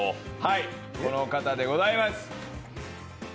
この方でございます。